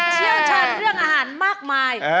เชี่ยวชาญเรื่องอาหารมากมาย